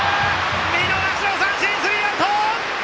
見逃し三振、スリーアウト！